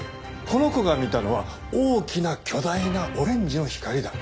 この子が見たのは大きな巨大なオレンジの光だ。